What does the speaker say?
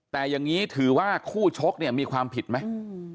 แต่อย่างนี้ถือว่าคู่ชกเนี่ยมีความผิดไหม